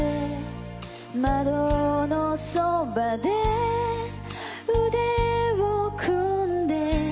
「窓のそばで腕を組んで」